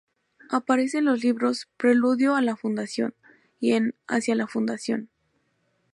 Aparece en los libros "Preludio a la Fundación" y en "Hacia la Fundación".